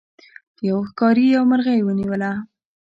یو ښکاري یو مرغۍ ونیوله.